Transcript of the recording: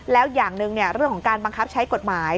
แล้วอย่างหนึ่งเรื่องของการบังคับใช้กฎหมาย